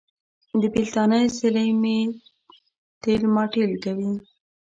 د بېلتانه سیلۍ مې تېل ماټېل کوي.